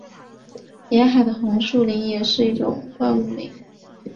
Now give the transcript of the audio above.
沿海的红树林也是一种灌木林。